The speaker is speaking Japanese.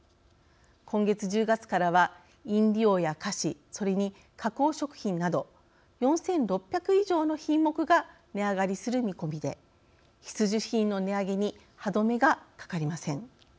今月１０月からは飲料や菓子それに加工食品など４，６００以上の品目が値上がりする見込みで必需品の値上げに歯止めがかかりません。